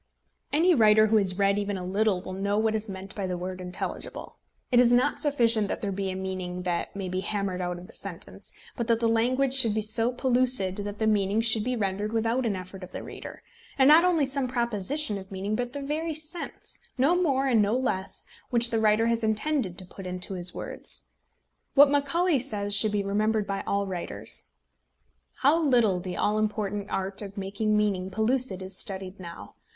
Any writer who has read even a little will know what is meant by the word intelligible. It is not sufficient that there be a meaning that may be hammered out of the sentence, but that the language should be so pellucid that the meaning should be rendered without an effort of the reader; and not only some proposition of meaning, but the very sense, no more and no less, which the writer has intended to put into his words. What Macaulay says should be remembered by all writers: "How little the all important art of making meaning pellucid is studied now!